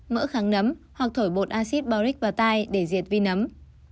mỡ kháng nấm hoặc thổi bột acid bauric vào tay để diệt vi nấm